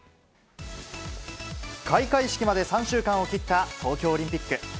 開会式まで３週間を切った東京オリンピック。